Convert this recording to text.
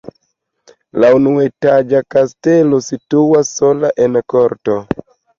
La unuetaĝa kastelo situas sola en korto.